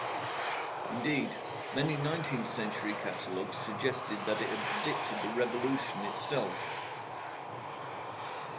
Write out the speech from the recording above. Indeed, many nineteenth-century catalogues suggested that it had predicted the Revolution itself.